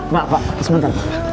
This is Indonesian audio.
maaf pak sebentar